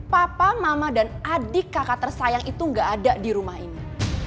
papa mama dan adik kakak tersayang itu gak ada di rumah ini